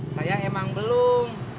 saya emang belum